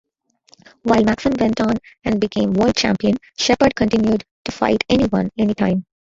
While Maxim went on and became world champion, Sheppard continued to fight anyone, anytime.